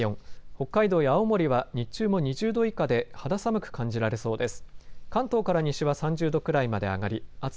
北海道や青森は日中も２０度以下で肌寒く感じられそうです。